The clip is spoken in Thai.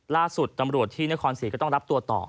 ล่าสุดตำรวจที่นครศรีก็ต้องรับตัวต่อ